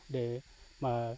để mà đầu ra cho sản phẩm